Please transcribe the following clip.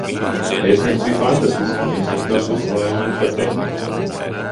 Viesnīca bija fantastiska, un instruktors uzslavēja mani par tehniku.